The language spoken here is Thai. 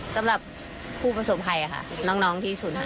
สำหรับผู้ประสบภัยค่ะน้องที่สุดค่ะ